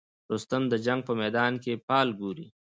رستم د جنګ په میدان کې فال ګوري.